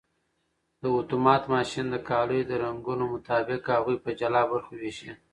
دا اتومات ماشین د کالیو د رنګونو مطابق هغوی په جلا برخو ویشي.